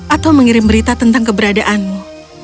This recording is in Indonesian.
atau mengirim berita tentang keberadaanmu